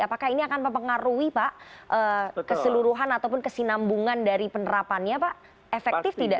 apakah ini akan mempengaruhi pak keseluruhan ataupun kesinambungan dari penerapannya pak efektif tidak